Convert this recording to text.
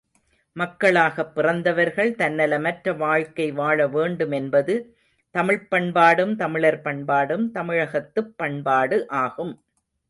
மக்களாகப் பிறந்தவர்கள் தன்னலமற்ற வாழ்க்கை வாழவேண்டுமென்பது தமிழ்ப் பண்பாடும், தமிழர் பண்பாடும், தமிழகத்துப் பண்பாடு ஆகும்.